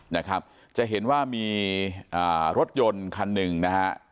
นะครับจะเห็นว่ามีอ่ารถยนต์คันหนึ่งนะฮะ